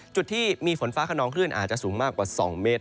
จุดที่มีฝนฟ้าขนองคลื่นอาจจะสูงมากกว่า๒เมตร